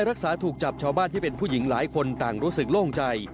รักษาถูกจับชาวบ้านที่เป็นผู้หญิงหลายคนต่างรู้สึกโล่งใจ